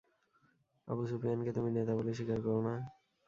আবু সুফিয়ানকে তুমি নেতা বলে স্বীকার কর না?